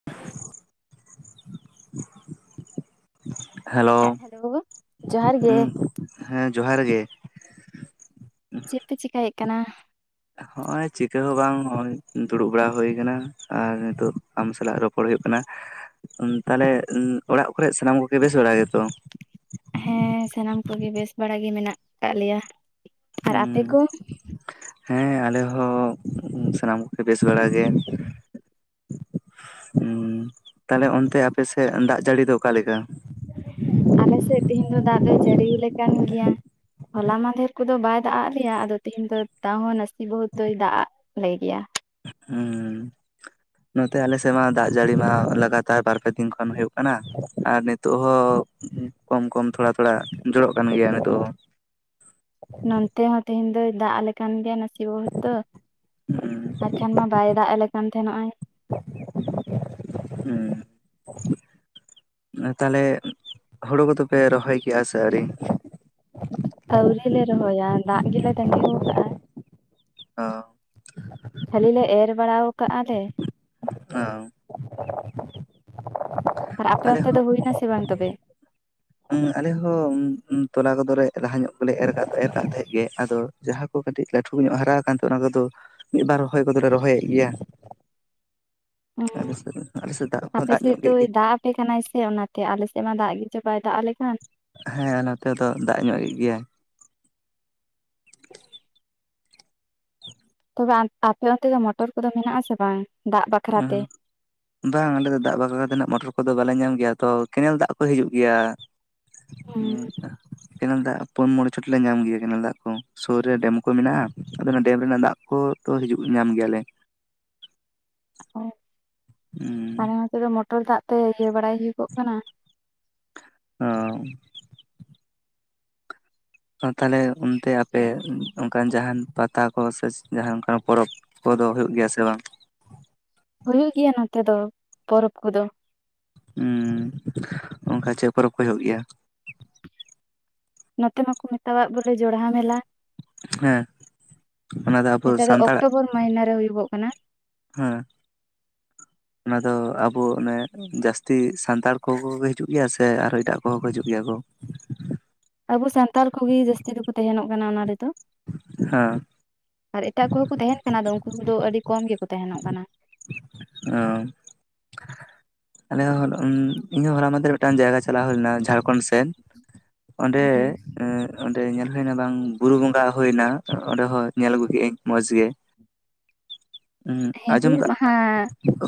[unintelligible] Hello ᱡᱚᱦᱟᱨ ᱜᱮ ᱦᱮᱸ ᱡᱚᱦᱟᱨ ᱜᱮ᱾ ᱪᱮᱫ ᱯᱮ ᱪᱮᱠᱟᱭᱮᱫ ᱠᱟᱱᱟ ᱦᱚᱸᱜᱼᱚᱭ ᱪᱤᱠᱟᱹ ᱦᱚᱸ ᱵᱟᱝ ᱦᱚᱸᱜᱼᱚᱭ ᱫᱩᱲᱩᱵ ᱵᱟᱲᱟ ᱦᱩᱭ ᱟᱠᱟᱱᱟ ᱟᱨ ᱱᱤᱛᱚᱜ ᱟᱢ ᱥᱟᱞᱟᱜ ᱨᱚᱯᱚᱲ ᱦᱩᱭᱩᱜ ᱠᱟᱱᱟ ᱛᱟᱦᱮᱞᱮ ᱚᱲᱟᱜ ᱠᱚᱨᱮ ᱥᱟᱱᱟᱢ ᱠᱚᱜᱮ ᱵᱮᱥ ᱵᱟᱲᱟ ᱜᱮᱛᱚ ᱦᱮᱸ ᱥᱟᱱᱟᱢ ᱠᱚᱜᱮ ᱵᱮᱥ ᱵᱟᱲᱟᱜ ᱜᱮ ᱢᱮᱱᱟᱜ ᱠᱟᱜ ᱞᱮᱭᱟ᱾ ᱟᱨ ᱟᱯᱮ ᱦᱸ ᱠᱚ ᱦᱮᱸ ᱟᱞᱮ ᱦᱚᱸ ᱥᱟᱱᱟᱢ ᱠᱚ ᱵᱮᱥ ᱵᱟᱲᱟᱜᱮ ᱦᱮᱸ ᱛᱟᱞᱮ ᱚᱱᱛᱮ ᱟᱯᱮ ᱥᱮᱫ ᱫᱟᱜ ᱡᱟᱹᱲᱤ ᱫᱚ ᱚᱠᱟᱞᱮᱠᱟ ᱟᱞᱮ ᱥᱮᱫ ᱛᱮᱦᱮᱧ ᱫᱚ ᱫᱟᱜ ᱫᱚ ᱡᱟᱹᱲᱤ ᱞᱮᱠᱟᱱ ᱜᱮᱭᱟ᱾ ᱦᱚᱞᱟ ᱢᱟᱦᱫᱷᱮᱨ ᱠᱚᱫᱚ ᱵᱟᱭ ᱫᱟᱜ ᱟᱫ ᱞᱮᱭᱟ ᱟᱫᱚ ᱛᱤᱦᱮᱧ ᱫᱚ ᱛᱟᱣ ᱦᱚᱸ ᱱᱟᱥᱮ ᱵᱚᱦᱩᱫ ᱫᱚᱭ ᱫᱟᱜ ᱟᱜᱼᱟ ᱞᱟᱹᱭ ᱜᱮᱭᱟ ᱦᱮᱸ ᱱᱚᱛᱮ ᱟᱞᱮᱥᱮᱫ ᱢᱟ ᱫᱟᱜ ᱡᱟᱹᱲᱤ ᱢᱟ ᱞᱟᱜᱟᱛᱟᱨ ᱵᱟᱨᱯᱮ ᱫᱤᱱ ᱠᱷᱚᱱ ᱦᱩᱭᱩᱜ ᱠᱟᱱᱟ ᱠᱟᱱᱟ ᱟᱨ ᱱᱤᱛᱚᱜ ᱦᱚᱸ ᱠᱚᱢ ᱠᱚᱢ ᱛᱷᱚᱲᱟ ᱛᱷᱚᱲᱟ ᱡᱚᱨᱚᱜ ᱠᱟᱱ ᱜᱮᱭᱟ ᱱᱤᱛᱚᱜ ᱦᱚᱸ [unintelligible] ᱱᱚᱱᱛᱮ ᱦᱚᱸ ᱛᱮᱦᱮᱧ ᱫᱚᱭ ᱫᱟᱜ ᱟᱞᱮᱠᱟᱱ ᱜᱮᱭᱟ᱾ ᱥᱤ ᱵᱚᱦᱩᱛᱚ ᱦᱚᱸ ᱟᱨᱠᱷᱟᱱ ᱢᱟ ᱵᱟᱭ ᱫᱟᱜ ᱟᱞᱮ ᱠᱟᱱ ᱛᱟᱦᱮ ᱱᱚᱜᱼᱚ ᱟᱭ ᱦᱩᱸ ᱛᱟᱦᱮᱞᱮ ᱦᱩᱲᱩ ᱠᱚᱫᱚᱯᱮ ᱨᱚᱦᱚᱭ ᱠᱮᱜᱼᱟ ᱥᱮ ᱟᱹᱣᱨᱤ ᱟᱹᱣᱨᱤ ᱞᱮ ᱨᱚᱦᱚᱭᱟ ᱫᱟᱜ ᱜᱮᱞᱮ ᱛᱟᱺᱜᱤ ᱠᱟᱜᱼᱟ᱾ ᱚ ᱦᱮ [inaudible] ᱠᱷᱟᱹᱞᱤ ᱞᱮ ᱮᱨ ᱵᱟᱲᱟᱣ ᱠᱟᱜ-ᱟ ᱞᱮ ᱾ ᱦ ᱟᱨ ᱟᱯᱮ ᱟᱞᱮ ᱚᱱᱛᱮ ᱫᱚ ᱦᱚᱸ ᱦᱩᱭᱱᱟ ᱥᱮ ᱵᱟᱝ ᱛᱚᱵᱮ ᱟᱞᱮ ᱦᱚᱸ ᱛᱚᱞᱟ ᱠᱚᱫᱚᱞᱮ ᱞᱟᱦᱟ ᱧᱚᱜ ᱠᱚᱞᱮ ᱮᱨᱫᱚ ᱮᱨ ᱠᱟᱫ ᱛᱟᱦᱮᱸᱜ ᱜᱮ ᱟᱫᱚ ᱡᱟᱦᱟᱸ ᱠᱚ ᱠᱟᱹᱴᱤᱡ ᱞᱟᱹᱴᱩ ᱠᱚ ᱧᱚᱜ ᱦᱟᱨᱟ ᱟᱠᱛᱮ ᱚᱱᱟ ᱠᱚᱫᱚ ᱢᱤᱫᱵᱟᱨ ᱨᱚᱦᱚᱭ ᱠᱚᱫᱚᱞᱮ ᱨᱚᱦᱚᱭᱮᱫ ᱜᱮᱭᱟ᱾ ᱟ [unintelligible] ᱟᱞᱮᱥᱮᱫ ᱫᱟᱜ ᱦᱚᱸ ᱟᱯᱮ ᱫᱟᱜ ᱥᱮᱫ ᱧᱚᱜ ᱠᱮᱫ ᱫᱚᱭ ᱜᱮᱭᱟ ᱫᱟᱜ ᱟᱯᱮ ᱠᱟᱱᱟᱭ ᱥᱮ ᱚᱱᱟᱛᱮ ᱟᱞᱮᱥᱮᱫ ᱢᱟ ᱫᱟᱜ ᱜᱮ ᱪᱚ ᱵᱟᱭ ᱫᱟᱜ ᱟᱞᱮ ᱠᱟᱱ ᱦᱮᱸ ᱱᱚ ᱛᱮ ᱫᱚ ᱫᱟᱜ ᱧᱚᱜ ᱮ ᱜᱮᱭᱟᱭ ᱛᱚᱵᱮ ᱟᱯᱮ ᱚᱱᱛᱮ ᱫᱚ ᱢᱚᱴᱚᱨ ᱠᱚᱫᱚ ᱢᱮᱱᱟᱜ ᱟᱥᱮ ᱵᱟᱝ᱾ ᱫᱟᱜ ᱵᱟᱠᱷᱨᱟ ᱛᱮ ᱚᱸ ᱵᱟᱝ ᱚᱞᱮ ᱫᱚ ᱫᱟᱜ ᱵᱟᱠᱷᱨᱟ ᱛᱮᱱᱟᱜ ᱢᱚᱴᱚᱨ ᱠᱚᱫᱚ ᱵᱟᱞᱮ ᱧᱟᱢ ᱜᱮᱭᱟ ᱾ ᱛᱚ ᱠᱮᱱᱮᱞ ᱫᱟᱜ ᱠᱚ ᱦᱤᱡᱩᱜ ᱜᱮᱭᱟ ᱾ ᱦᱩᱸ ᱦᱮ [unintelligible] ᱠᱮᱱᱮᱞ ᱫᱟᱜ ᱯᱩᱱ ᱢᱚᱬᱮ ᱪᱷᱚᱴ ᱞᱮ ᱧᱟᱢ ᱜᱮᱭᱟ ᱠᱮᱱᱮᱞ ᱫᱟᱜ ᱠᱚ ᱥᱩᱨ ᱨᱮ, ᱰᱮᱢ ᱠᱚ ᱢᱮᱱᱟᱜ-ᱟ ᱾ ᱟᱫᱚ ᱚᱱᱟ ᱰᱮᱢ ᱨᱮᱱᱟᱜ ᱫᱟᱜ ᱠᱚ ᱛᱚ ᱦᱤᱡᱩᱜ ᱧᱟᱢ ᱜᱮᱭᱟᱞᱮ ᱾ ᱟᱞᱮ ᱦᱩᱸ ᱱᱚᱛᱮ ᱫᱚ ᱢᱚᱴᱚᱨ ᱫᱟᱜ ᱛᱮ ᱤᱭᱟᱹ ᱵᱟᱲᱟᱭ ᱦᱩᱭᱩᱜᱚᱜ ᱠᱟᱱᱟ ᱾ ᱚ [unintelligible] ᱚ ᱛᱟᱦᱚᱞᱮ ᱚᱱᱛᱮ ᱟᱯᱮ ᱚᱱᱠᱟᱱ ᱡᱟᱦᱟᱱ ᱯᱟᱛᱟ? ᱠᱚ ᱥᱮ ᱡᱟᱦᱟᱸ ᱚᱱᱠᱟ ᱯᱚᱨᱚᱵᱽ ᱠᱚᱫᱚ ᱦᱩᱭᱩᱜ ᱜᱮᱭᱟ ᱥᱮ ᱵᱟᱝ? ᱦᱩᱭᱩᱜ ᱜᱮᱭᱟ ᱱᱚᱛᱮ ᱫᱚ ᱯᱚᱨᱚᱵᱽ ᱠᱚᱫᱚ ᱾ ᱦᱩᱸ ᱚᱱᱠᱟ ᱪᱮᱫ ᱯᱚᱨᱚᱵᱽ ᱠᱚ ᱦᱩᱭᱩᱜ ᱜᱮᱭᱟ? ᱱᱚᱛᱮ ᱢᱟ ᱠᱚ ᱢᱮᱛᱟᱣᱟᱜ ᱵᱚᱞᱮ ᱡᱚᱲᱦᱟ ᱢᱮᱞᱟ ᱾ ᱦᱮᱸ ᱚᱱᱟ ᱟᱵᱚ ᱡᱮᱴᱟ ᱫᱚ ᱥᱟᱱᱛᱟᱲᱟᱜ ᱚᱠᱴᱚᱵᱚᱨ ᱢᱟᱦᱤᱱᱟᱹ ᱨᱮ ᱦᱩᱭᱩᱜᱚᱜ ᱠᱟᱱᱟ ᱾ ᱦᱮᱸ ᱚᱱᱟ ᱫᱚ ᱟᱵᱚ ᱚᱱᱮ ᱡᱟᱹᱥᱛᱤ ᱥᱟᱱᱛᱟᱲ, ᱠᱚ ᱦᱤᱡᱩᱜ ᱜᱮᱭᱟ ᱥᱮ ᱟᱨᱦᱚ ᱮᱴᱟᱜ ᱠᱚᱦᱚᱸ ᱠᱚ ᱦᱤᱡᱩᱜ ᱜᱮᱭᱟ ᱠᱚ? ᱟᱵᱚ ᱥᱟᱱᱛᱟᱲ ᱠᱚᱜᱮ ᱡᱟᱹᱥᱛᱤ ᱫᱚᱠᱚ ᱛᱟᱦᱮᱱᱚᱜ ᱠᱟᱱᱟ ᱚᱱᱟ ᱨᱮᱫᱚ ᱾ ᱦᱮᱸ ᱟᱨ ᱮᱴᱟᱜ ᱠᱚᱦᱚᱸ ᱠᱚ ᱛᱟᱦᱮᱱ ᱠᱟᱱᱟ, ᱩᱱᱠᱩ ᱫᱚ ᱟᱹᱰᱤ ᱠᱚᱢ ᱜᱮᱠᱚ ᱛᱟᱦᱮᱱᱚᱜ ᱠᱟᱱᱟ ᱾ ᱚᱸ- ᱟᱞᱮ ᱦᱚ ᱤᱧ ᱦᱚᱸ ᱦᱚᱞᱟ ᱢᱟᱫᱷᱮᱨ ᱨᱮ ᱢᱤᱫᱴᱟᱝ ᱡᱟᱭᱜᱟ ᱪᱟᱞᱟᱣ ᱦᱩᱭ ᱞᱮᱱᱟ ᱡᱷᱟᱲᱠᱷᱚᱸᱰ ᱥᱮᱫ ᱚᱸᱰᱮ, ᱦᱮᱸ ᱚᱸᱰᱮ ᱧᱮᱞ ᱦᱩᱭᱱᱟ ᱵᱟᱝ ᱵᱩᱨᱩ ᱵᱚᱸᱜᱟ ᱦᱳᱭᱱᱟ ᱾ ᱚᱸᱰᱮ ᱦᱚᱸ ᱧᱮᱞ ᱟᱹᱜᱩ ᱠᱤᱟᱹᱧ ᱢᱚᱸᱪᱜᱮ ᱾ ᱦᱮᱸ ᱟᱸᱡᱚᱢ ᱦᱩᱞ ᱠᱟᱜ ᱢᱟᱦᱟ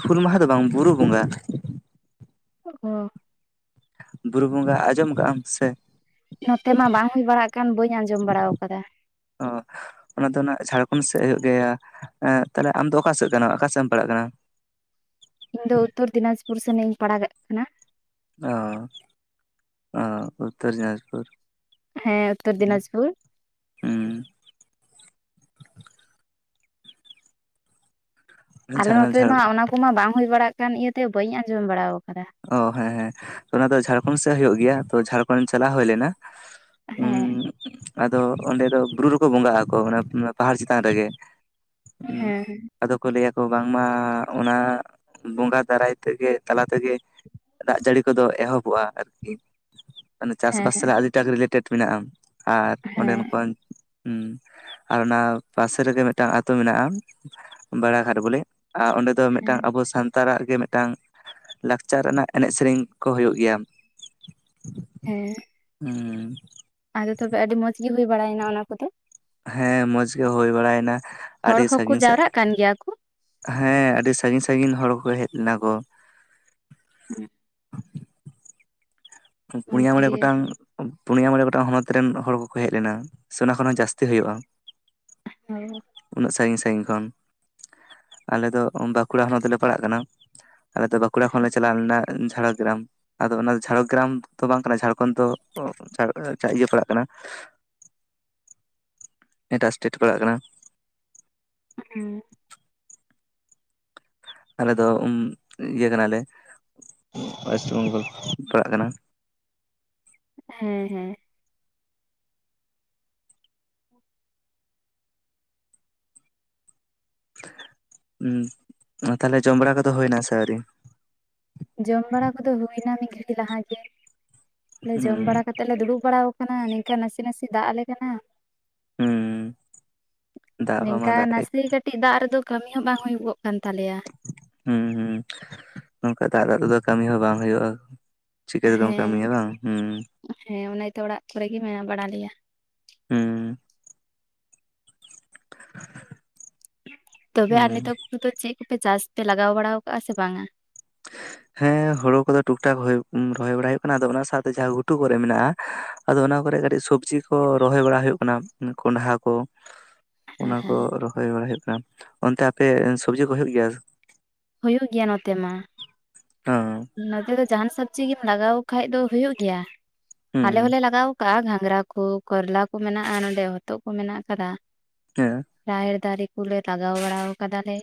ᱦᱩᱞ ᱢᱟᱦᱟ ᱫᱚ ᱵᱟᱝ ᱵᱩᱨᱩ ᱵᱚᱸᱜᱟ, ᱚ ᱵᱩᱨᱩ ᱵᱚᱸᱜᱟ ᱟᱸᱡᱚᱢ ᱠᱟᱜᱟᱢ ᱥᱮ? ᱱᱚᱛᱮ ᱢᱟ ᱵᱟᱝ ᱦᱩᱭ ᱵᱟᱲᱟᱜ ᱠᱟᱱ ᱵᱟᱹᱧ ᱟᱸᱡᱚᱢ ᱵᱟᱲᱟᱣ ᱠᱟᱫᱟ ᱾ ᱚ ᱚᱱᱟ ᱫᱚ ᱚᱱᱟ ᱡᱷᱟᱲᱠᱷᱚᱱᱰ ᱥᱮᱫ ᱦᱩᱭᱩᱜ ᱜᱮᱭᱟ᱾ ᱛᱟᱦᱚᱞᱮ ᱟᱢᱫᱚ ᱚᱠᱟ ᱥᱮᱫ ᱚᱠᱟ ᱥᱮᱫ ᱮᱢ ᱯᱟᱲᱟᱜ ᱠᱟᱱᱟ? ᱤᱧ ᱫᱚ ᱩᱛᱛᱚᱨ ᱫᱤᱱᱟᱡᱯᱩᱨ ᱥᱮᱱᱤᱧ ᱯᱟᱲᱟᱜᱟᱜ ᱠᱟᱱᱟ ᱾ ᱚ ᱩᱛᱛᱚᱨ ᱫᱤᱱᱟᱡᱽᱯᱩᱨ ᱾ ᱦᱮᱸ ᱩᱛᱛᱚᱨ ᱫᱤᱱᱟᱡᱽᱯᱩᱨ ᱾ ᱦᱩᱸ ᱟᱞᱮ ᱡᱷᱟᱲ ᱱᱚᱛᱮ ᱡᱷᱟᱲ ᱢᱟ ᱚᱱᱟ ᱠᱚᱢᱟ ᱵᱟᱝ ᱦᱩᱭ ᱵᱟᱲᱟᱜ ᱠᱟᱱ, ᱤᱭᱟᱹᱛᱮ ᱵᱟᱹᱧ ᱟᱸᱡᱚᱢ ᱵᱟᱲᱟᱣ ᱠᱟᱫᱟ ᱾ ᱚ ᱦᱮᱸ ᱦᱮᱸ ᱛᱚ ᱚᱱᱟ ᱫᱚ ᱡᱷᱟᱲᱠᱷᱚᱸᱰ ᱥᱮᱫ ᱦᱩᱭᱩᱜ ᱜᱮᱭᱟ ᱾ ᱛᱚ ᱡᱷᱟᱲᱠᱷᱚᱸᱰ ᱪᱟᱞᱟᱣ ᱦᱩᱭ ᱞᱮᱱᱟ ᱾ ᱦᱩᱸ ᱦᱮᱸ [unintelligible] ᱟᱫᱚ ᱚᱸᱰᱮ ᱫᱚ ᱵᱩᱨᱩ ᱨᱮᱠᱚ ᱵᱚᱸᱜᱟᱜ ᱟᱠᱚ ᱚᱱᱟ ᱯᱟᱦᱟᱲ ᱪᱮᱛᱟᱱ ᱨᱮᱜᱮ ᱦᱮᱸ ᱾ ᱟᱫᱚ ᱠᱚ ᱞᱟᱹᱭᱟᱠᱚ ᱵᱟᱝᱢᱟ ᱚᱱᱟ ᱵᱚᱸᱜᱟ ᱫᱟᱨᱟᱭ ᱛᱮᱜᱮ ᱛᱟᱞᱟ ᱛᱮᱜᱮ ᱫᱟᱜ ᱡᱟᱹᱲᱤ ᱠᱚᱫᱚ ᱮᱦᱚᱵᱚᱜ-ᱟ ᱟᱨᱠᱤ ᱾ ᱢᱟᱱᱮ ᱦᱮᱸ ᱪᱟᱥᱵᱟᱥ ᱥᱟᱞᱟᱜ ᱟᱹᱰᱤᱴᱟ ᱨᱤᱞᱮᱴᱮᱰ ᱢᱮᱱᱟᱜ-ᱟ ᱟᱨ ᱚᱸᱰᱮᱱ ᱦᱮᱸ ᱠᱚ ᱟᱨ ᱚᱱᱟ ᱯᱟᱥᱮ ᱨᱮᱜᱮ ᱢᱤᱫᱴᱟᱝ ᱟᱛᱳ ᱢᱮᱱᱟᱜ-ᱟ ᱵᱟᱲᱟ ᱜᱷᱟᱴ ᱵᱚᱞᱮ, ᱟᱨ ᱚᱸᱰᱮ ᱫᱚ ᱢᱤᱫᱴᱟᱝ ᱦᱮᱸ ᱟᱵᱚ ᱥᱟᱱᱛᱟᱲᱟᱜ ᱜᱮ ᱢᱤᱫᱴᱟᱝ ᱞᱟᱠᱪᱟᱨ ᱨᱮᱱᱟᱜ ᱮᱱᱮᱡ ᱥᱮᱨᱮᱧ ᱠᱚ ᱦᱩᱭᱩᱜ ᱜᱮᱭᱟ ᱦᱮᱸ ᱦᱮᱸ ᱟᱫᱚ ᱛᱚᱵᱮ ᱟᱹᱰᱤ ᱢᱚᱸᱡᱽ ᱜᱤ ᱦᱩᱭ ᱵᱟᱲᱟᱭᱱᱟ ᱚᱱᱟ ᱠᱚᱫᱚ? ᱦᱮᱸ ᱢᱚᱸᱡᱽ ᱜᱮ ᱦᱩᱭ ᱵᱟᱲᱟᱭ ᱱᱟ ᱦᱚᱲ ᱟᱹᱰᱤ ᱦᱚᱸᱠᱚ ᱥᱟᱺᱜᱤᱧ ᱥᱮᱫ ᱡᱟᱣᱨᱟᱜ ᱾ ᱠᱟᱱ ᱜᱮᱭᱟ ᱠᱚ, ᱦᱮᱸ ᱟᱹᱰᱤ ᱥᱟᱺᱜᱤᱧ ᱥᱟᱺᱜᱤᱧ ᱦᱚᱲ ᱠᱚ ᱦᱮᱡ ᱞᱮᱱᱟ ᱠᱚ ᱾ ᱦᱮᱸ [unintelligible] ᱯᱩᱱᱭᱟ ᱢᱚᱸᱡᱽ ᱢᱚᱬᱮ ᱜᱮ ᱜᱚᱴᱟᱝ ᱯᱩᱱᱭᱟ ᱢᱚᱬᱮ ᱜᱚᱴᱟᱝ ᱦᱚᱱᱚᱛ ᱨᱮᱱ ᱦᱚᱲ ᱠᱚᱠᱚ ᱦᱮᱡ ᱞᱮᱱᱟ ᱥᱮ ᱚᱱᱟ ᱠᱷᱚᱱ ᱦᱚᱸ ᱡᱟᱹᱥᱛᱤ ᱦᱳᱭᱳᱜ-ᱟ ᱾ [unintelligible] ᱩᱱᱟᱹᱜ ᱥᱟᱺᱜᱤᱧ ᱥᱟᱺᱜᱤᱧ ᱠᱷᱚᱱ ᱟᱞᱮ ᱫᱚ ᱵᱟᱸᱠᱩᱲᱟ ᱦᱚᱱᱚᱛ ᱞᱮ ᱯᱟᱲᱟᱜ ᱠᱟᱱᱟ ᱟᱞᱮ ᱫᱚ ᱵᱟᱸᱠᱩᱲᱟ ᱠᱷᱚᱱ ᱞᱮ ᱪᱟᱞᱟᱣ ᱞᱮᱱᱟ ᱡᱷᱟᱲᱜᱨᱟᱢ ᱟᱫᱚ ᱚᱱᱟ ᱡᱷᱟᱲ ᱜᱨᱟᱢ ᱫᱚ ᱵᱟᱝ ᱠᱟᱱᱟ ᱡᱷᱟᱲᱠᱷᱚᱸᱰ ᱫᱚ ᱤᱭᱟᱹ ᱯᱟᱲᱟᱜ ᱠᱟᱱᱟ ᱮᱴᱟᱜ ᱮᱥᱴᱮᱴ ᱯᱟᱲᱟᱜ ᱠᱟᱱᱟ ᱦᱩ ᱟᱞᱮ ᱫᱚ ᱩᱸ ᱤᱭᱟᱹ ᱠᱟᱱᱟᱞᱮ ᱳᱭᱮᱥᱴ ᱵᱮᱝᱜᱚᱞ ᱯᱟᱲᱟᱜ ᱠᱟᱱᱟ ᱦᱮᱸ ᱦᱮᱸ ᱮᱫᱸ ᱛᱟᱦᱞᱮ ᱡᱚᱢ ᱵᱟᱲᱟ ᱠᱚᱫᱚ ᱦᱩᱭ ᱱᱟᱥᱮ ᱟᱹᱣᱨᱤ ᱡᱚᱢ ᱵᱟᱲᱟ ᱠᱚᱫᱚ ᱦᱩᱭ ᱱᱟ ᱢᱤᱫ ᱜᱷᱟᱹᱲᱤ ᱞᱟᱦᱟ ᱜᱮ ᱡᱚᱢ ᱵᱟᱲᱟ ᱦᱩᱸ ᱠᱟ [inaudible] ᱞᱮ ᱫᱩᱲᱩᱵ ᱵᱟᱲᱟᱣ ᱠᱟᱱᱟ ᱱᱤᱝᱠᱟ ᱱᱟᱥᱮ ᱱᱟᱥᱮ ᱫᱟᱜ ᱟᱞᱮ ᱠᱟᱱᱟ ᱦᱩᱸ ᱫᱟᱜ ᱦᱚᱸ ᱱᱤᱝᱠᱟ ᱵᱟᱝ ᱫᱟᱜ ᱮᱫ ᱱᱟᱥᱮ [inaudible] ᱠᱟᱹᱴᱤᱡ ᱫᱟᱜ ᱨᱮᱫᱚ ᱠᱟᱹᱢᱤ ᱦᱚᱸ ᱵᱟᱝ ᱦᱩᱭᱩᱜᱚᱜ ᱠᱟᱱ ᱛᱟᱞᱮᱭᱟ ᱦᱩᱸ ᱦᱩᱸ ᱱᱚᱝᱠᱟ ᱫᱟᱜ ᱫᱟᱜ ᱨᱮᱫᱚ ᱠᱟᱹᱢᱤ ᱦᱚᱸ ᱵᱟᱝ ᱦᱩᱭᱩᱜ-ᱟ ᱪᱤᱠᱟᱹ ᱛᱮᱫᱚᱢ ᱦᱮᱸ ᱠᱟᱹᱢᱤᱭᱟ ᱵᱟᱝ ᱦᱩᱸ ᱦᱮᱸ ᱚᱱᱟ ᱛᱚ ᱚᱲᱟᱜ ᱠᱚᱨᱮ ᱜᱮ ᱢᱮᱱᱟᱜ ᱵᱟᱲᱟ ᱞᱮᱭᱟ ᱦᱩᱸ [inaudible] ᱛᱚᱵᱮ ᱟᱨ ᱦᱩᱸ ᱱᱤᱛᱚᱜ ᱠᱚᱫᱚ ᱪᱮᱫ ᱠᱚᱯᱮ ᱪᱟᱥ ᱯᱮ ᱞᱟᱜᱟᱣ ᱵᱟᱲᱟ ᱠᱟᱜᱼᱟ ᱥᱮ ᱵᱟᱝ ᱟ ᱦᱮ ᱦᱮᱸ ᱦᱳᱲᱳ ᱠᱚᱫᱚ ᱴᱩᱠ ᱴᱟᱠ ᱦᱳᱭ ᱨᱚᱦᱚᱭ ᱵᱟᱲᱟ ᱦᱩᱭᱩᱜ ᱠᱟᱱᱟ ᱟᱫᱚ ᱚᱱᱟ ᱥᱟᱶᱛᱮ ᱡᱟᱦᱟᱸ ᱜᱷᱩᱴᱩ ᱠᱚᱨᱮ ᱢᱮᱱᱟᱜᱼᱟ ᱟᱫᱚ ᱚᱱᱟ ᱠᱚᱨᱮ ᱠᱟᱹᱴᱤᱡ ᱥᱚᱵᱡᱤ ᱠᱚ ᱨᱚᱦᱚᱭ ᱵᱟᱲᱟ ᱦᱩᱭᱩᱜ ᱠᱟᱱᱟ ᱠᱚᱸᱰᱷᱟ ᱠᱚ ᱦᱮᱸ ᱚᱱᱟ ᱠᱚ ᱦᱮᱸ ᱨᱚᱦᱚᱭ ᱵᱟᱲᱟ ᱦᱩᱭᱩᱜ ᱠᱟᱱᱟ ᱚᱱᱛᱮ ᱟᱯᱮ ᱥᱚᱵᱡᱤ ᱠᱚ ᱦᱩᱭᱩᱜ ᱜᱮᱭᱟ ᱦᱩᱭᱩᱜ ᱜᱮᱭᱟ ᱱᱚᱛᱮ ᱢᱟ ᱚ ᱱᱚᱛᱮ ᱫᱚ ᱡᱟᱸᱦᱟᱱ ᱥᱚᱵᱡᱤ ᱜᱮᱢ ᱞᱟᱜᱟᱣ ᱠᱷᱟᱡ ᱫᱚ ᱦᱩᱭᱩᱜ ᱜᱮᱭᱟ ᱟᱞᱮ ᱦᱩᱸ ᱦᱚᱞᱮ ᱞᱟᱜᱟᱣ ᱛᱟ ᱜᱷᱟᱸᱜᱽᱨᱟ ᱠᱚ ᱠᱚᱨᱞᱟ ᱠᱚ ᱢᱮᱱᱟᱜᱼᱟ ᱱᱚᱰᱮ ᱦᱚᱛᱚᱫ ᱠᱚ ᱢᱮᱱᱟᱜ ᱠᱟᱫᱟ ᱦᱮᱸ ᱨᱟᱦᱮᱲ ᱫᱟᱨᱮ ᱠᱚᱞᱮ ᱞᱟᱜᱟᱣ ᱵᱟᱲᱟ ᱠᱟᱫᱟ ᱞᱮ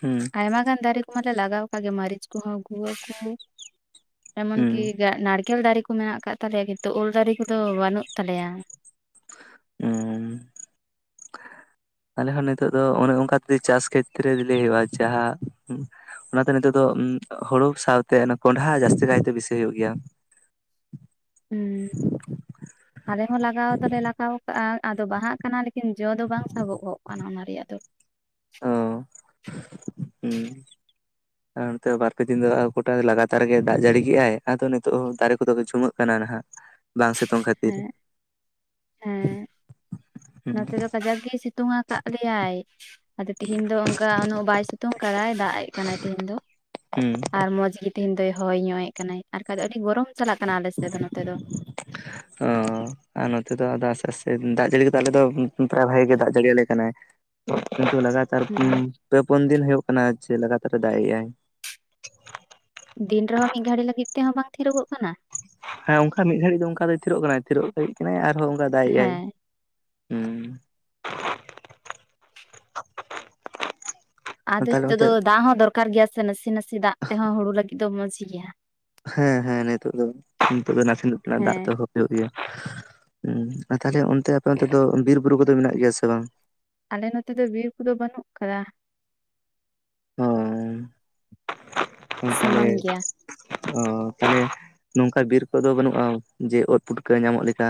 ᱦᱩᱸ ᱟᱭᱢᱟ ᱜᱟᱱ ᱫᱟᱨᱮ ᱠᱚᱢᱟ ᱞᱮ ᱞᱟᱜᱟᱣ ᱠᱟᱜ ᱜᱮ ᱢᱟᱹᱨᱤᱪ ᱠᱚᱦᱚᱸ ᱜᱩᱣᱟᱹ ᱠᱚ ᱮᱢᱚᱱ ᱦᱩᱸ ᱠᱤ ᱱᱟᱲᱠᱮᱞ ᱫᱟᱨᱮ ᱠᱚ ᱢᱮᱱᱟᱜ ᱟᱠᱟᱫ ᱛᱟᱞᱮᱭᱟ ᱠᱤᱱᱛᱩ ᱩᱞ ᱫᱟᱨᱮ ᱠᱚᱫᱚ ᱵᱟᱹᱱᱩᱜ ᱛᱟᱞᱮᱭᱟ ᱩᱸ ᱟᱞᱮ ᱦᱚᱸ ᱱᱤᱛᱚᱜ ᱫᱚ ᱚᱱᱮ ᱚᱱᱠᱟ ᱛᱤ ᱪᱟᱥ ᱠᱷᱮᱛ ᱨᱮ ᱞᱮᱭ ᱦᱩᱭᱩᱜᱼᱟ ᱡᱟᱦᱟᱸ ᱚᱱᱟᱛᱮ ᱱᱤᱛᱚᱜ ᱫᱚ ᱦᱳᱲᱳ ᱥᱟᱶᱛᱮ ᱠᱚᱸᱰᱷᱟ ᱡᱟᱹᱥᱛᱤ ᱠᱟᱭᱛᱮ ᱵᱤᱥᱤ ᱦᱳᱭᱳᱜ ᱜᱮᱭᱟ [inaudible] ᱦᱩᱸ [inaudible] ᱟᱞᱮ ᱦᱚᱸ ᱞᱟᱜᱟᱣ ᱫᱚᱞᱮ ᱞᱟᱜᱟᱣ ᱠᱟᱜ-ᱟ ᱟᱫᱚ ᱵᱟᱦᱟᱜ ᱠᱟᱱᱟ ᱞᱮᱠᱤᱱ ᱡᱚ ᱫᱚ ᱵᱟᱝ ᱥᱟᱵᱚᱜᱚᱜ ᱠᱟᱱᱟ ᱚᱱᱟ ᱨᱮᱭᱟᱜ ᱫᱚ᱾ ᱚ, ᱦᱩᱸ ᱟᱨ ᱱᱚᱱᱛᱮ ᱵᱟᱨ ᱯᱮ ᱫᱤᱱ ᱫᱚ ᱜᱚᱴᱟ ᱞᱟᱜᱟᱛᱟᱨ ᱜᱮ ᱫᱟᱜ ᱡᱟᱹᱲᱤ ᱠᱮᱜᱼ ᱟᱭ ᱟᱫᱚ ᱱᱤᱛᱚᱜ ᱫᱟᱨᱮ ᱠᱚᱫᱚ ᱡᱷᱩᱢᱟᱹᱜ ᱠᱟᱱᱟ ᱱᱟᱦᱟᱜ᱾ ᱵᱟᱝ ᱥᱤᱛᱩᱝ ᱠᱷᱟᱹᱛᱤᱨ᱾ ᱦᱮᱸ ᱦᱮᱸ ᱦᱩᱸ ᱱᱚᱛᱮ ᱫᱚ ᱠᱟᱡᱟᱠ ᱜᱮᱭ ᱥᱤᱛᱩᱝ ᱠᱟᱜ ᱞᱮᱭᱟᱭ ᱟᱫᱚ ᱛᱮᱦᱤᱧ ᱫᱚ ᱚᱱᱠᱟ ᱩᱱᱟᱹᱜ ᱵᱟᱭ ᱥᱤᱛᱩᱝ ᱠᱟᱫᱟᱭ ᱫᱟᱜ ᱮᱜ ᱠᱟᱱᱟᱭ ᱛᱮᱦᱤᱧ ᱫᱚ ᱦᱩᱸ ᱟᱨ ᱢᱚᱸᱡᱽ ᱜᱮ ᱛᱤᱦᱤᱧ ᱫᱚᱭ ᱦᱚᱭ ᱧᱚᱜ ᱮ ᱠᱟᱱᱟᱭ ᱟᱨ ᱵᱟᱠᱷᱟᱡ ᱫᱚ ᱟᱹᱰᱤ ᱜᱚᱨᱚᱢ ᱪᱟᱞᱟᱜ ᱠᱟᱱᱟ ᱟᱞᱮ ᱥᱮᱫ ᱫᱚ ᱱᱚᱛᱮ ᱫᱚ ᱚᱻ ᱟᱨ ᱱᱚᱛᱮ ᱫᱚ ᱟᱫᱚ ᱟᱥᱛᱮ ᱟᱥᱛᱮ ᱫᱟᱜ ᱡᱟᱹᱲᱤ ᱠᱚᱫᱚ ᱟᱞᱮ ᱫᱚ ᱯᱨᱟᱭ ᱵᱷᱟᱜᱮ ᱜᱮ ᱫᱟᱜ ᱡᱟᱹᱲᱤ ᱟᱞᱮ ᱠᱟᱱᱟᱭ ᱠᱤᱱᱛᱩ ᱞᱟᱜᱟᱛᱟᱨ ᱦᱮᱸ ᱯᱮ ᱯᱩᱱ ᱫᱤᱱ ᱦᱩᱭᱩᱜ ᱠᱟᱱᱟ ᱡᱮ ᱞᱟᱜᱟᱛᱟᱨ ᱫᱟᱜ ᱮᱜ ᱟᱭ ᱫᱤᱱ ᱨᱮᱦᱚᱸ ᱢᱤᱫ ᱜᱷᱟᱹᱲᱤ ᱞᱟᱹᱜᱤᱫ ᱛᱮᱦᱚᱸ ᱵᱟᱝ ᱛᱷᱤᱨᱚᱜᱚᱜ ᱠᱟᱱᱟ ᱦᱮᱸ ᱚᱱᱠᱟ ᱢᱤᱫ ᱜᱷᱟᱹᱲᱤ ᱫᱚ ᱚᱱᱠᱟ ᱫᱚᱭ ᱛᱷᱤᱨᱚᱜ ᱠᱟᱱᱟᱭ ᱛᱷᱤᱨᱚᱜ ᱞᱟᱹᱜᱤᱜ ᱠᱟᱱᱟᱭ ᱟᱨᱦᱚᱸ ᱚᱱᱠᱟ ᱫᱟᱜᱮᱜ ᱟᱭ ᱦᱮᱸ ᱩᱸ ᱟᱫᱚ ᱱᱤᱛᱚ ᱫᱚ ᱫᱟᱜ ᱦᱚᱸ ᱫᱚᱨᱠᱟᱨ ᱜᱮᱭᱟ ᱥᱮ ᱱᱟᱥᱮ ᱱᱟᱥᱮ ᱫᱟᱜ ᱛᱮᱦᱚᱸ ᱦᱩᱲᱩ ᱞᱟᱹᱜᱤᱫ ᱫᱚ ᱢᱚᱸᱡᱽ ᱜᱮᱭᱟ ᱦᱮᱸ ᱦᱮᱸ ᱱᱤᱛᱚᱜ ᱫᱚ ᱱᱤᱛᱚᱜ ᱫᱚ ᱱᱟᱥᱮ ᱱᱟᱜ ᱫᱟᱜ ᱦᱮᱸ ᱛᱮᱦᱚᱸ ᱦᱩᱭᱩᱜ ᱜᱮᱭᱟ ᱦᱩᱸ, ᱟᱨ ᱛᱟᱦᱞᱮ ᱚᱱᱛᱮ ᱟᱯᱮ ᱚᱱᱛᱮ ᱫᱚ ᱵᱤᱨ ᱵᱩᱨᱩ ᱠᱚᱫᱚ ᱢᱮᱱᱟᱜ ᱜᱮᱭᱟ ᱥᱮ ᱵᱟᱝ᱾ ᱟᱞᱮ ᱱᱚᱛᱮ ᱫᱚ ᱵᱤᱨ ᱠᱚᱫᱚ ᱵᱟᱹᱱᱩᱜ ᱠᱟᱫᱟ᱾ ᱚ ᱥᱚᱢᱟᱱ [unintelligible] ᱜᱮᱭᱟ ᱚ ᱛᱟᱦᱚᱞᱮ᱾ ᱱᱚᱝᱠᱟ ᱵᱤᱨ ᱠᱚᱫᱚ ᱵᱟᱹᱱᱩᱜᱼᱟ ᱡᱮ ᱳᱫ ᱯᱩᱴᱠᱟᱹ ᱧᱟᱢᱚᱜ ᱞᱮᱠᱟ᱾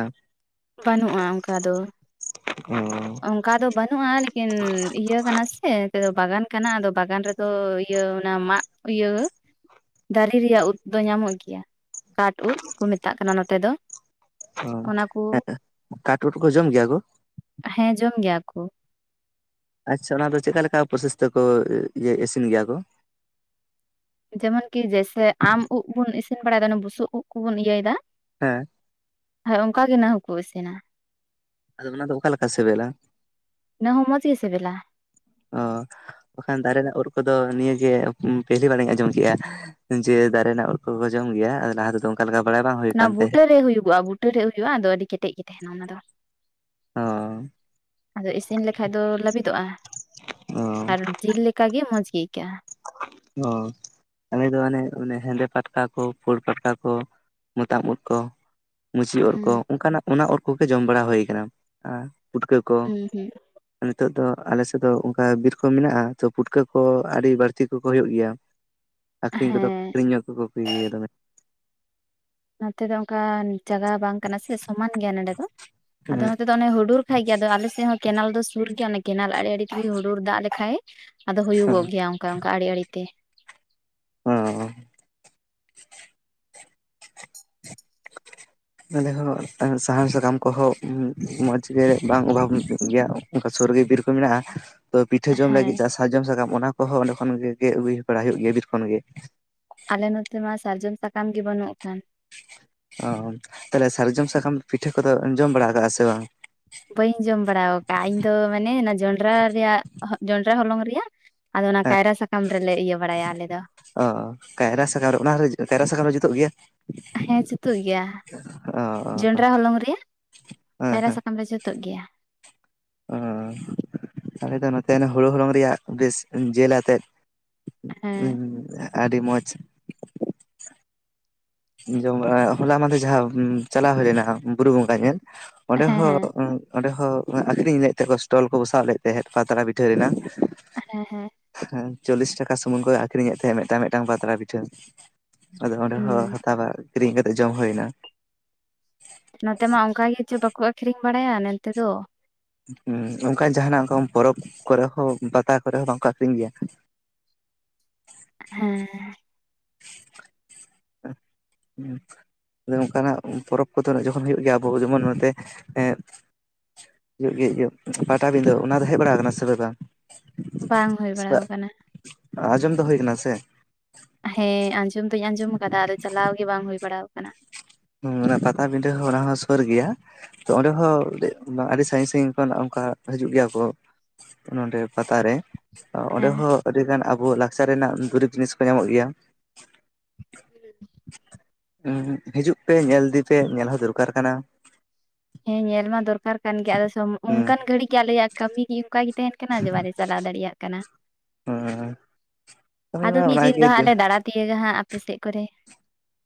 ᱵᱟᱹᱱᱩᱜᱼᱟ ᱚᱝᱠᱟ ᱫᱚ᱾ [unintelligible] ᱚᱱᱠᱟ ᱫᱚ ᱵᱟᱹᱱᱩᱜᱼᱟ ᱞᱮᱠᱤᱱ ᱤᱭᱟᱹ ᱠᱟᱱᱟ ᱥᱮ ᱱᱤᱛᱮᱫ ᱫᱚ ᱵᱟᱜᱟᱱ ᱠᱟᱱᱟ ᱟᱫᱚ ᱵᱟᱜᱟᱱ ᱨᱮᱫᱚ ᱤᱭᱟᱹ ᱚᱱᱟ ᱢᱟᱜ ᱤᱭᱟᱹ ᱫᱟᱨᱮ ᱨᱮᱭᱟᱜ ᱩᱫ ᱫᱚ ᱧᱟᱢᱚᱜ ᱜᱮᱭᱟ ᱠᱟᱴ ᱩᱫ ᱠᱚ ᱢᱮᱛᱟᱜ ᱠᱟᱱᱟ ᱱᱚᱛᱮ ᱫᱚ᱾ ᱦᱸ ᱚᱱᱟ ᱠᱚ [inaudible] ᱠᱟᱴ ᱩᱴ ᱠᱚ ᱡᱚᱢ ᱜᱮᱭᱟ ᱜᱚ ᱦᱮᱸ ᱡᱚᱢ ᱜᱮᱭᱟ ᱠᱚ᱾ ᱟᱪᱪᱷᱟ ᱚᱱᱟ ᱫᱚ ᱪᱮᱫᱠᱟ ᱞᱮᱠᱟ ᱯᱨᱚᱥᱮᱥᱛᱮ ᱠᱚ ᱤᱭᱟᱹ ᱤᱥᱤᱱ ᱜᱮᱭᱟ ᱜᱚ᱾ ᱡᱮᱢᱚᱱ ᱠᱤ ᱡᱭᱮᱥᱮ ᱟᱢ ᱩᱵ ᱵᱚᱱ ᱤᱥᱤᱱ ᱵᱟᱲᱟᱭᱫᱟ ᱚᱱᱮ ᱵᱩᱥᱩᱵ ᱩᱫ ᱠᱩᱵᱚᱱ ᱤᱭᱟᱹᱭᱮᱫᱟ᱾ ᱦᱮᱸ ᱟᱨ ᱚᱝᱠᱟ ᱜᱮ ᱱᱟ ᱦᱚᱠᱚ ᱤᱥᱤᱱᱟ ᱾ ᱟᱫᱚ ᱚᱱᱟ ᱫᱚ ᱚᱠᱟ ᱞᱮᱠᱟ ᱥᱮᱵᱮᱞᱟ ᱤᱱᱟᱹ ᱦᱚᱸ ᱢᱚᱸᱡᱽ ᱜᱮ ᱥᱤᱵᱤᱞᱟ ᱚ ᱵᱟᱠᱷᱟᱱ ᱫᱟᱨᱮ ᱨᱮᱱᱟᱜ ᱳᱫ ᱠᱚᱫᱚ ᱱᱤᱭᱟᱹ ᱜᱮ ᱯᱮᱦᱞᱤ ᱵᱟᱨᱤᱧ ᱟᱸᱡᱚᱢ ᱠᱮᱜᱼᱟ ᱡᱮ ᱫᱟᱨᱮ ᱨᱮᱱᱟᱜ ᱳᱞ ᱠᱚᱠᱚ ᱡᱚᱢ ᱜᱮᱭᱟ ᱟᱫᱚ ᱞᱟᱦᱟ ᱛᱮᱫᱚ ᱚᱝᱠᱟ ᱞᱮᱠᱟ ᱵᱟᱲᱟᱭ ᱵᱟᱝ ᱦᱩᱭ ᱚᱱᱟ ᱠᱟᱱ ᱵᱩᱴᱟᱹ ᱛᱟᱦᱮᱸᱫ ᱨᱮ ᱦᱩᱭᱩᱜᱼᱟ ᱵᱩᱴᱟᱹ ᱨᱮ ᱦᱩᱭᱩᱜᱼᱟ ᱟᱫᱚ ᱟᱹᱰᱤ ᱠᱮᱴᱮᱡ ᱜᱮ ᱛᱟᱦᱮᱱᱟ ᱚᱱᱟ ᱫᱚ ᱚ ᱟᱫᱚ ᱤᱥᱤᱱ ᱞᱮᱠᱷᱟᱡ ᱫᱚ ᱞᱟᱹᱵᱤᱫᱚᱜᱼᱟ ᱠᱟᱨᱚᱱ ᱡᱤᱞ ᱞᱮᱠᱟᱜ ᱜᱮ ᱢᱚᱸᱡᱽ ᱜᱮ ᱟᱹᱭᱠᱟᱹᱜᱼᱟ᱾ ᱚ ᱟᱞᱮᱫ ᱫᱚ ᱚᱱᱮ ᱚᱱᱮ ᱦᱮᱸᱫᱮ ᱯᱟᱴᱠᱟ ᱠᱚ ᱯᱷᱩᱲ ᱯᱟᱴᱠᱟ ᱠᱚ ᱢᱚᱛᱟᱢ ᱩᱫ ᱠᱚ ᱢᱩᱪᱤ ᱩᱫ ᱠᱚ ᱦᱩᱸ ᱚᱱᱠᱟᱱᱟᱜ ᱚᱱᱟ ᱚᱨ ᱠᱚᱜᱮ ᱡᱚᱢ ᱵᱟᱲᱟ ᱦᱩᱭ ᱠᱟᱱᱟ ᱟᱨ ᱯᱩᱴᱠᱟᱹ ᱠᱚ ᱦᱩᱸ ᱦᱩᱸ ᱱᱤᱛᱚᱜ ᱫᱚ ᱟᱞᱮ ᱥᱮᱜ ᱫᱚ ᱚᱝᱠᱟ ᱵᱤᱨ ᱠᱚ ᱢᱮᱱᱟᱜᱼᱟ ᱛᱚ ᱯᱩᱴᱠᱟᱹ ᱠᱚ ᱟᱹᱰᱤ ᱵᱟᱹᱲ ᱛᱤ, ᱠᱚᱠᱚ ᱦᱳᱭᱳᱜ ᱜᱮᱭᱟ ᱟᱹᱠᱷᱨᱤᱧ ᱠᱚᱫᱚ ᱦᱮᱸ ᱟᱹᱠᱷᱨᱤᱧ ᱧᱚᱜ ᱠᱚᱠᱚ ᱟᱹᱜᱩᱭ ᱜᱮᱭᱟ ᱫᱚᱢᱮ ᱱᱚᱛᱮ ᱫᱚ ᱚᱝᱠᱟ ᱡᱟᱜᱟ ᱵᱟᱝ ᱠᱟᱱᱟ ᱥᱮ ᱥᱚᱢᱟᱱ ᱜᱮᱭᱟ ᱱᱚᱰᱮ ᱫᱚ ᱦᱩᱸ ᱟᱫᱚ ᱚᱱᱟ ᱛᱮ ᱟᱫᱚ ᱚᱱᱮ ᱦᱩᱰᱩᱨ ᱠᱷᱟᱡ ᱜᱮ ᱟᱫᱚ ᱟᱞᱮ ᱥᱮᱜ ᱦᱚᱸ ᱠᱮᱱᱮᱞ ᱫᱚ ᱥᱩᱨ ᱜᱮᱭᱟ ᱚᱱᱮ ᱠᱮᱱᱮᱞ ᱟᱲᱮ ᱟᱲᱮ ᱛᱮᱜᱮ ᱦᱩᱰᱩᱨ ᱫᱟᱜ ᱞᱮᱠᱷᱟᱡ ᱟᱫᱚ ᱦᱩᱭᱩᱜᱚᱜ ᱦᱚᱸ ᱜᱮᱭᱟ ᱚᱝᱠᱟ ᱚᱝᱠᱟ ᱟᱲᱮ ᱟᱲᱮ ᱛᱮ ᱚᱻ ᱟᱞᱮ ᱦᱚᱸ ᱥᱟᱦᱟᱱ ᱥᱟᱠᱟᱢ ᱠᱚᱦᱚᱸ ᱢᱚᱡᱽ ᱜᱮ ᱵᱟᱝ ᱚᱵᱷᱟᱵᱽ ᱜᱮᱭᱟ᱾ ᱥᱳᱨ ᱨᱮ ᱜᱮ ᱵᱤᱨ ᱠᱚ ᱢᱮᱱᱟᱜᱼᱟ, ᱛᱚ ᱯᱤᱴᱷᱟᱹ ᱡᱚᱢ ᱦᱮᱸ ᱞᱟᱹᱜᱤᱜ ᱪᱟᱥ ᱥᱟᱨᱡᱚᱢ ᱥᱟᱠᱟᱢ ᱚᱱᱟ ᱠᱚᱦᱚᱸ ᱚᱸᱰᱮ ᱠᱷᱚᱱ ᱜᱮᱜ ᱟᱹᱜᱩᱭ ᱵᱟᱲᱟ ᱦᱳᱭᱳᱜ ᱜᱮᱭᱟ ᱵᱤᱨ ᱠᱷᱚᱱ ᱜᱮ᱾ ᱟᱞᱮ ᱱᱚᱛᱮ ᱢᱟ ᱥᱟᱨᱡᱚᱢ ᱥᱟᱠᱟᱢ ᱜᱮ ᱵᱟᱹᱱᱩᱜ ᱠᱷᱟᱱ ᱚ ᱛᱟᱦᱞᱮ ᱥᱟᱨᱡᱚᱢ ᱥᱟᱠᱟᱢ ᱯᱤᱴᱷᱟᱹ ᱠᱚᱫᱚ ᱡᱚᱢ ᱵᱟᱲᱟ ᱠᱟᱜᱼᱟ ᱥᱮ ᱵᱟᱝ ᱵᱟᱹᱧ ᱡᱚᱢ ᱵᱟᱲᱟ ᱟᱠᱟᱫᱼᱟ ᱤᱧ ᱫᱚ ᱢᱟᱱᱮ ᱚᱱᱟ ᱡᱚᱸᱰᱨᱟ ᱨᱮᱭᱟᱜ ᱡᱚᱸᱰᱨᱟ ᱦᱚᱞᱚᱝ ᱨᱮᱭᱟᱜ ᱟᱫᱚ ᱚᱱᱟ ᱦᱮᱸ ᱠᱟᱭᱨᱟ ᱥᱟᱠᱟᱢ ᱨᱮᱞᱮ ᱤᱭᱟᱹ ᱵᱟᱲᱟᱭᱟ ᱟᱞᱮ ᱫᱚ ᱚ ᱠᱟᱭᱨᱟ ᱥᱟᱠᱟᱢ ᱨᱮ ᱚᱱᱟ ᱨᱮ ᱠᱟᱭᱨᱟ ᱥᱟᱠᱟᱢ ᱨᱮ ᱡᱩᱛᱚᱜ ᱜᱮᱭᱟ ᱦᱮᱸ ᱡᱩᱛᱚᱜ ᱜᱮᱭᱟ ᱚ ᱡᱚᱱᱰᱨᱟ ᱦᱚᱞᱚᱝ ᱨᱮ ᱦᱮᱸ ᱠᱟᱭᱨᱟ ᱦᱮᱸ ᱥᱟᱠᱟᱢ ᱨᱮ [unintelligible] ᱛᱚᱜ ᱜᱮᱭᱟ᱾ ᱚ ᱟᱞᱮ ᱫᱚ ᱱᱚᱛᱮ ᱦᱩᱲᱩ ᱦᱚᱞᱚᱝ ᱨᱮᱭᱟᱜ ᱵᱮᱥ ᱡᱮᱞ ᱟᱛᱮᱫ ᱦᱮᱸ ᱩᱻ ᱟᱹᱰᱤ ᱢᱚᱡᱽ ᱡᱚᱢ ᱵᱟᱲᱟ ᱦᱚᱞᱟ ᱢᱟᱫᱷᱮ ᱡᱟᱦᱟᱸ ᱪᱟᱞᱟᱣ ᱦᱳᱭ ᱞᱮᱱᱟ ᱵᱩᱨᱩ ᱵᱚᱸᱜᱟ ᱧᱮᱞ ᱚᱸᱰᱮ ᱦᱮᱸ ᱦᱮᱸ ᱦᱚᱸ ᱚᱸᱰᱮ ᱦᱚᱸ ᱟᱠᱷᱨᱤᱧ ᱞᱮᱜ ᱛᱮᱠᱚ ᱥᱴᱚᱞ ᱠᱚ ᱵᱚᱥᱟᱣ ᱞᱮᱜ ᱛᱟᱦᱮᱫ ᱯᱟᱛᱲᱟ ᱯᱤᱴᱷᱟᱹ ᱨᱮᱱᱟᱜ ᱦᱮᱸ ᱦᱮᱸ᱾ ᱦᱮᱸ ᱪᱚᱞᱞᱤᱥ ᱴᱟᱠᱟ ᱥᱩᱢᱩᱝ ᱠᱚ ᱟᱹᱷᱨᱤᱧᱮᱫ ᱛᱟᱦᱮᱸᱫ ᱢᱤᱫᱴᱟᱝ ᱢᱤᱫᱴᱟᱝ ᱯᱟᱛᱲᱟ ᱯᱤᱴᱷᱟᱹ ᱟᱫᱚ ᱚᱸᱰᱮ ᱦᱩᱸ ᱦᱚᱸ ᱦᱟᱛᱟᱣᱟ ᱠᱤᱨᱤᱧ ᱠᱟᱛᱮᱜ ᱡᱚᱢ ᱦᱩᱭᱮᱱᱟ ᱱᱚᱛᱮ ᱢᱟ ᱚᱱᱠᱟ ᱜᱮ ᱪᱚ ᱵᱟᱠᱚ ᱟᱠᱷᱨᱤᱧ ᱵᱟᱲᱟᱭᱟ ᱱᱚᱱᱛᱮ ᱫᱚ ᱦᱮᱸ ᱚᱱᱠᱟ ᱡᱟᱦᱟᱸᱱᱟᱜ ᱚᱱᱠᱟ ᱯᱚᱨᱚᱵᱽ ᱠᱚᱨᱮ ᱦᱚᱸ ᱯᱟᱛᱟ ᱠᱚᱨᱮ ᱦᱚᱸ ᱵᱟᱝᱠᱚ ᱟᱠᱷᱨᱤᱧ ᱜᱮᱭᱟ ᱦᱮᱸ ᱚᱱᱠᱟᱱᱟᱜ ᱯᱚᱨᱚᱵᱽ ᱠᱚᱫᱚ ᱡᱚᱠᱷᱚᱱ ᱦᱩᱭᱩᱜ ᱜᱮᱭᱟ ᱟᱵᱚ ᱡᱮᱢᱚᱱ ᱱᱚᱛᱮ ᱮ ᱤᱭᱩ ᱜᱮ ᱯᱟᱴᱟᱵᱤᱱᱫᱟᱹ ᱚᱱᱟ ᱨᱮ ᱦᱮᱡ ᱵᱟᱲᱟ ᱟᱠᱟᱱᱟ ᱥᱮ ᱯᱮ ᱵᱟᱝ ᱵᱟᱝ ᱦᱩᱭ ᱵᱟᱲᱟᱣ ᱟᱠᱟᱱᱟ ᱟᱸᱡᱚᱢ ᱫᱚ ᱦᱩᱭ ᱠᱟᱱᱟ ᱥᱮ ᱦᱮᱸ ᱟᱸᱡᱚᱢ ᱫᱚᱧ ᱟᱸᱡᱚᱢ ᱟᱠᱟᱫᱟ ᱟᱫᱚ ᱪᱟᱞᱟᱣ ᱜᱮ ᱵᱟᱝ ᱦᱩᱭ ᱵᱟᱲᱟᱣ ᱠᱟᱱᱟ ᱦᱮᱸ ᱚᱱᱟ ᱯᱟᱛᱟ ᱵᱤᱸᱰᱟᱹ ᱦᱚᱸ ᱚᱱᱟ ᱦᱚᱸ ᱥᱩᱨ ᱜᱮᱭᱟ ᱛᱚ ᱚᱸᱰᱮ ᱦᱚᱸ ᱟᱹᱰᱤ ᱥᱟᱹᱜᱤᱧ ᱥᱟᱹᱜᱤᱧ ᱠᱷᱚᱱᱟᱜ ᱚᱱᱠᱟ ᱦᱤᱡᱩᱜ ᱜᱮᱭᱟ ᱠᱚ ᱱᱚᱰᱮ ᱯᱟᱛᱟ ᱨᱮ ᱚᱸᱰᱮ ᱦᱮᱸ ᱦᱚᱸ ᱟᱹᱰᱤ ᱜᱟᱱ ᱟᱵᱚ ᱞᱟᱠᱪᱟᱨ ᱨᱮᱱᱟᱜ ᱫᱩᱨᱤᱵᱽ ᱡᱤᱱᱤᱥ ᱠᱚ ᱧᱟᱢᱚᱜ ᱜᱮᱭᱟ ᱦᱤᱡᱩᱜ ᱯᱮ ᱧᱮᱞ ᱤᱫᱤ ᱯᱮ ᱧᱮᱞ ᱦᱚᱸ ᱫᱚᱨᱠᱟᱨ ᱠᱟᱱᱟ ᱦᱮᱸ ᱧᱮᱞ ᱢᱟ ᱫᱚᱨᱠᱟᱨ ᱠᱟᱱ ᱜᱮᱭᱟ ᱟᱫᱚ ᱦᱩᱸ ᱚᱱᱠᱟᱱ ᱜᱷᱟᱲᱤ ᱜᱮ ᱟᱞᱮᱭᱟᱜ ᱠᱟᱹᱢᱤ ᱜᱮ ᱚᱱᱠᱟ ᱜᱮ ᱛᱟᱦᱮᱸᱱ ᱠᱟᱱᱟ ᱪᱟᱞᱟᱣ ᱫᱟᱲᱮᱭᱟᱜ ᱠᱟᱱᱟ ᱦᱚ ᱟᱫᱚ ᱢᱤᱫ ᱫᱤᱱ ᱫᱚ ᱦᱟᱸᱜ ᱞᱮ ᱫᱟᱲᱟ ᱛᱤᱭᱳᱜᱟ ᱦᱟᱸᱜ ᱟᱯᱮ ᱥᱮᱫ ᱠᱚᱨᱮ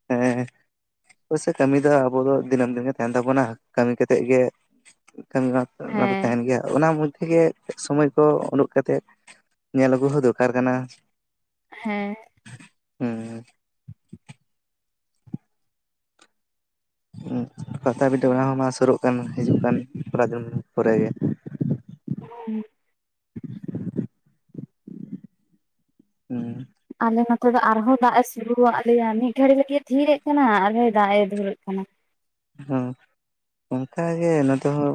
ᱦᱮᱸ ᱚᱵᱚᱥᱥᱚ ᱠᱟᱹᱢᱤ ᱫᱚ ᱟᱵᱚ ᱫᱚ ᱫᱤᱱᱟᱹᱢ ᱫᱤᱱ ᱜᱮ ᱛᱟᱦᱮᱸᱱ ᱛᱟᱵᱚᱱᱟ ᱠᱟᱹᱢᱤ ᱠᱟᱛᱮᱫ ᱜᱮ ᱠᱟᱹᱢᱤ ᱢᱟ ᱚᱱᱟ ᱫᱚ ᱦᱮᱸ ᱛᱟᱦᱮᱸᱱ ᱜᱮᱭᱟ ᱚᱱᱟ ᱢᱚᱫᱽᱫᱷᱮ ᱜᱮ ᱥᱚᱢᱚᱭ ᱠᱚ ᱩᱰᱩᱠ ᱠᱟᱛᱮᱫ ᱧᱮᱞ ᱟᱹᱜᱩ ᱦᱚᱸ ᱫᱚᱨᱠᱟᱨ ᱠᱟᱱᱟ ᱦᱮᱸ ᱦᱩᱸ ᱯᱟᱛᱟᱵᱤᱱᱫᱟᱹ ᱚᱱᱟ ᱦᱚᱸ ᱢᱟ ᱥᱩᱨᱩᱜ ᱠᱟᱱ ᱦᱤᱡᱩᱜ ᱠᱟᱱ ᱛᱷᱚᱲᱟ ᱫᱤᱱ ᱯᱚᱨᱮ ᱜᱮ ᱦᱮᱸ ᱦᱩᱸ ᱟᱞᱮ ᱱᱚᱛᱮ ᱫᱚ ᱟᱨᱦᱚᱸ ᱫᱟᱜ ᱮ ᱥᱩᱨᱩᱣᱟᱜ ᱞᱮᱭᱟ ᱢᱤᱫ ᱜᱷᱟᱹᱲᱤᱡ ᱞᱟᱹᱜᱤᱫ ᱛᱷᱤᱨᱟᱜ ᱠᱟᱱᱟ ᱟᱨᱦᱚᱸ ᱫᱟᱜ ᱮ ᱫᱷᱩᱨᱟᱹᱜ ᱠᱟᱱᱟ ᱦᱚᱸ ᱚᱱᱠᱟᱜᱮ ᱱᱚᱛᱮ ᱦᱚᱸ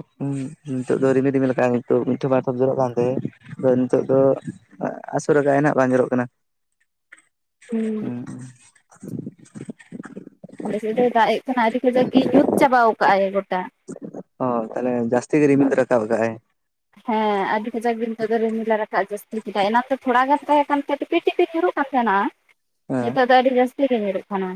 ᱱᱤᱛᱚᱜ ᱫᱚ ᱨᱤᱢᱤᱞ ᱨᱤᱢᱤᱞ ᱟᱠᱟᱫ ᱟᱭ ᱱᱤᱛᱳᱜ ᱢᱤᱫᱴᱷᱚᱯ ᱵᱟᱨᱴᱷᱚᱯ ᱡᱚᱨᱚᱜ ᱠᱟᱱ ᱛᱟᱦᱮᱸᱱ ᱱᱤᱛᱚᱜ ᱫᱚ ᱟᱥᱩᱨ ᱠᱟᱜ ᱟᱭ ᱱᱟᱦᱟᱜ ᱵᱟᱝ ᱡᱚᱨᱚᱜ ᱠᱟᱱᱟ ᱦᱩᱸ ᱦᱮᱸ ᱟᱞᱮ ᱥᱮᱫ ᱫᱚ ᱫᱟᱜ ᱠᱟᱱᱟ ᱟᱹᱰᱤ ᱠᱷᱚᱡᱟᱜ ᱜᱮ ᱧᱩᱛ ᱪᱟᱵᱟᱣᱠᱟᱜ ᱟᱭ ᱜᱚᱴᱟ ᱚ ᱛᱟᱦᱚᱞᱮ ᱡᱟᱹᱥᱛᱤ ᱜᱮ ᱨᱤᱢᱤᱞ ᱫᱚ ᱨᱟᱠᱟᱵ ᱠᱟᱜ-ᱟᱭ ᱦᱮᱸ ᱟᱹᱰᱤ ᱠᱟᱡᱟᱠ ᱜᱮ ᱱᱤᱛᱚᱜ ᱫᱚ ᱨᱤᱢᱤᱞᱮ ᱨᱟᱠᱟᱵ ᱡᱟᱹᱥᱛᱤ ᱠᱮᱫᱟ ᱚᱱᱟᱛᱮ ᱛᱷᱚᱲᱟ ᱜᱟᱱ ᱛᱟᱦᱮᱸ ᱠᱟᱱ ᱴᱤᱯᱤ ᱴᱤᱯᱤ ᱧᱩᱨᱩᱜ ᱠᱟᱱ ᱛᱟᱦᱮᱸᱱᱟ ᱦᱮᱸ ᱱᱤᱛᱚᱜ ᱫᱚ ᱟᱹᱰᱤ ᱡᱟᱹᱥᱛᱤ ᱜᱮ ᱧᱩᱨᱩᱜ ᱠᱟᱱᱟ